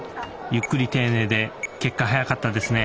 ゆっくり丁寧で結果はやかったですね。